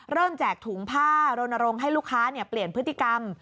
เริ่มแจกถุงผ้าโรนโรงให้ลูกค้าเปลี่ยนพฤติกรรม